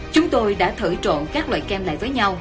chúng tôi đã thử trộn các loại kem lại với nhau